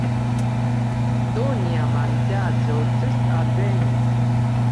Do, nia manĝaĵo ĵus alvenis